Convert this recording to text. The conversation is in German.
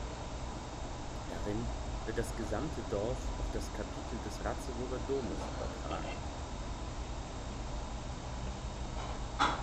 Darin wird das gesamte Dorf auf das Kapitel des Ratzeburger Domes übertragen.